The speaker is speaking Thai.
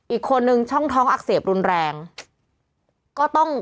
อีกคนนึงช่องท้องอักเสบรุนแรง